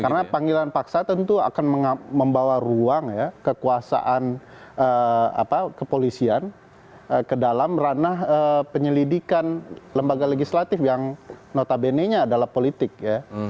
karena panggilan paksa tentu akan membawa ruang ya kekuasaan apa kepolisian ke dalam ranah penyelidikan lembaga legislatif yang notabenenya adalah politik ya